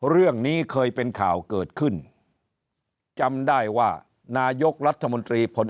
เรื่องนี้เคยเป็นข่าวเกิดขึ้นจำได้ว่านายกรัฐมนตรีพล